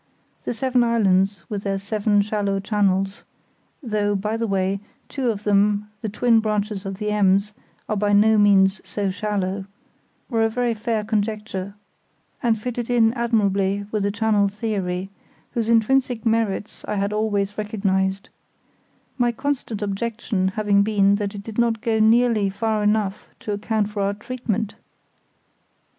The seven islands, with their seven shallow channels (though, by the way, two of them, the twin branches of the Ems, are by no means so shallow), were a very fair conjecture, and fitted in admirably with the channel theory, whose intrinsic merits I had always recognised; my constant objection having been that it did not go nearly far enough to account for our treatment.